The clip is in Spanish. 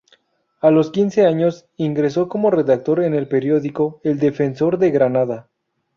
A los quince años ingresó como redactor en el periódico "El Defensor de Granada".